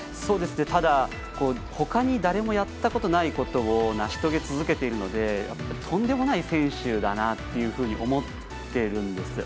ただ、他に誰もやったことがないことをなし続けているのでとんでもない選手だなって思ってるんです。